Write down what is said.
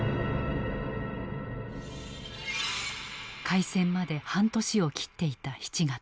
開戦まで半年を切っていた７月。